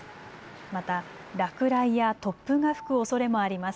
また、落雷や突風が吹くおそれもあります。